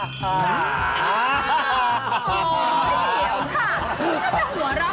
โอ๊ยเดี๋ยวค่ะ